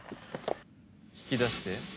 引き出して。